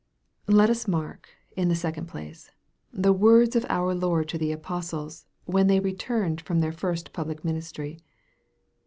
Let us mark, in the second place, the words of our Lord to the apostles, when they returned from their first public ministry.